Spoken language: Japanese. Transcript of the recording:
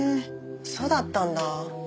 そうだったんだ。